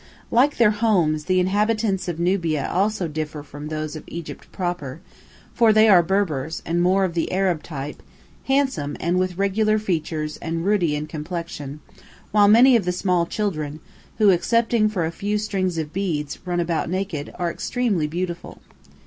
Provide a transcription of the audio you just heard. Like their homes, the inhabitants of Nubia also differ from those of Egypt proper, for they are Berbers and more of the Arab type, handsome, and with regular features and ruddy in complexion, while many of the small children, who, excepting for a few strings of beads, run about naked, are extremely beautiful.